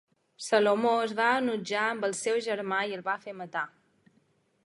Salomó es va enutjar amb el seu germà i el va fer matar.